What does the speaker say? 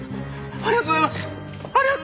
ありがとうございます！